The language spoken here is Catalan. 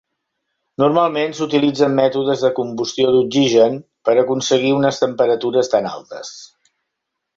Normalment s'utilitzen mètodes de combustió d'oxigen per aconseguir unes temperatures tan altes.